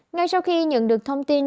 ngay sau khi nhận được thông tin